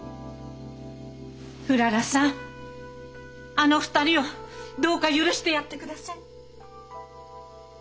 あの２人をどうか許してやってください。